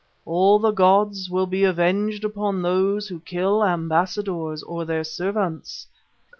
All the gods will be avenged upon those who kill ambassadors or their servants.